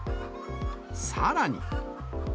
さらに。